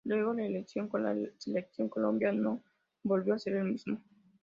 Luego de lesión con la Selección Colombia no volvió a ser el mismo.